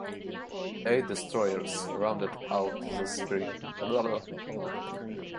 Eight destroyers rounded out the screen.